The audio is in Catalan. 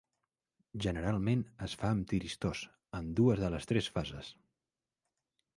Generalment, es fa amb tiristors en dues de les tres fases.